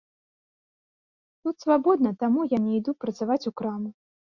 Тут свабодна, таму я не іду працаваць у краму.